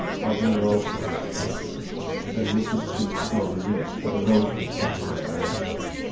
Alvina also was still. Then Mrs. Tuke slowly reached for the rose buds on the old wall.